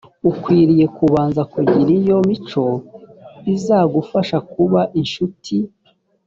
ukwiriye kubanza kugira iyo imico izagufasha kuba incuti